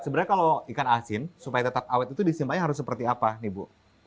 sebenarnya kalau ikan asin supaya tetap awet itu disimpannya harus seperti apa nih bu